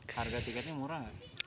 harga tiketnya murah